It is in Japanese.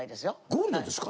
ゴールドですか？